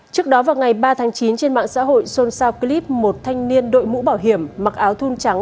trước đó vào ngày ba tháng chín trên mạng xã hội xôn xao clip một thanh niên đội mũ bảo hiểm mặc áo thun trắng